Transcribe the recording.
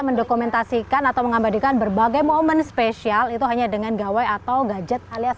mendokumentasikan atau mengabadikan berbagai momen spesial itu hanya dengan gawai atau gadget alias